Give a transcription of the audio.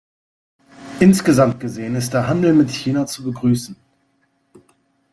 Insgesamt gesehen ist der Handel mit China zu begrüßen.